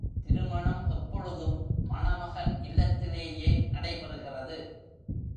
திருமணம் எப்பொழுதும், மணமகன் இல்லத்திலேயே நடைபெறுகிறது.